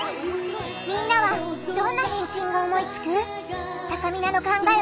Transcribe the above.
みんなはどんな返信を思いつく？